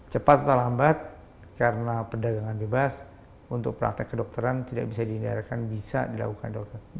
cepat atau lambat karena perdagangan bebas untuk praktek kedokteran tidak bisa dihindarkan bisa dilakukan dokter